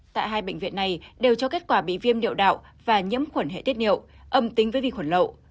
tại hai bệnh viện này đều cho kết quả bị viêm điệu đạo và nhiễm khuẩn hệ tiết niệu âm tính với vi khuẩn lậu